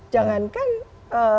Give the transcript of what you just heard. jangankan ini aja